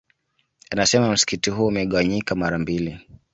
Anasema msikiti huo umegawanyika mara mbili